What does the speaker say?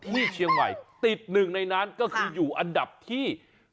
นี่เชียงใหม่ติดหนึ่งในนั้นก็คืออยู่อันดับที่